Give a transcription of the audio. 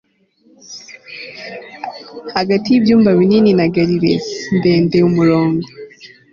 Hagati yibyumba binini na galeries ndende umurongo